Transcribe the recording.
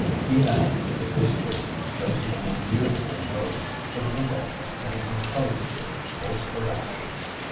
He had, it was true, chosen an unusual mode, but withal an intelligible course of action.